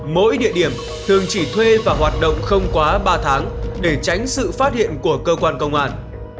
mỗi địa điểm thường chỉ thuê và hoạt động không quá ba tháng để tránh sự phát hiện của cơ quan công an